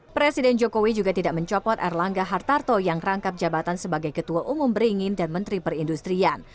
presiden jokowi juga tidak mencopot erlangga hartarto yang rangkap jabatan sebagai ketua umum beringin dan menteri perindustrian